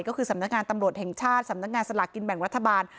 ก็คือสำนักงานตำรวจแห่งชาติสำนักงานสลากกินแบ่งรัฐบาล